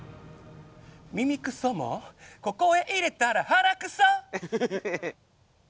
耳くそもここへ入れたら鼻くそ！